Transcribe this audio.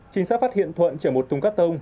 chính xác phát hiện thuận chở một thùng cắt tông